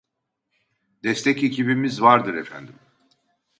Destek ekibimiz vardır efendim